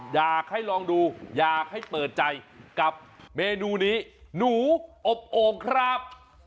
อยากให้ลองดูอยากให้เปิดใจกับเมนูนี้หนูอบโอ่งครับ